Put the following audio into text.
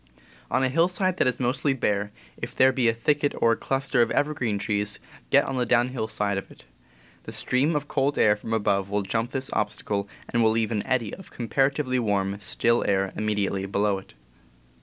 On a hillside that is mostly bare, if there be a thicket or a cluster of evergreen trees, get on the downhill side of it. The stream of cold air from above will jump this obstacle and will leave an eddy of comparatively warm, still air immediately below it.